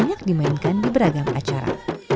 banyak dimainkan di beragam acara